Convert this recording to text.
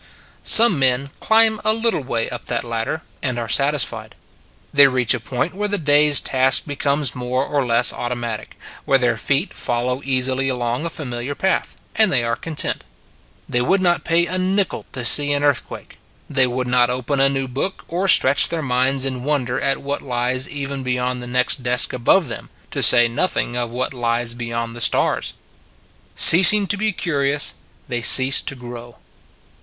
Some men climb a little way up that lad der, and are satisfied. They reach a point where the day s task becomes more or less automatic; where their feet follow easily along a familiar path. And they are content. They would not pay a nickel to see an earth quake : they would not open a new book, or stretch their minds in wonder at what lies even beyond the next desk above them, to say nothing of what lies beyond the stars. Ceasing to be curious, they cease to grow.